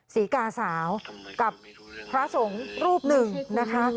ศรีกาสาวกับพระสงฆ์รูปหนึ่งนะคะ